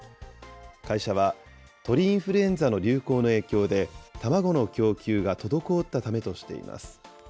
会社は、鳥インフルエンザの流行の影響で、卵の供給が滞ったためとしています。